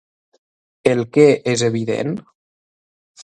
El què és evident?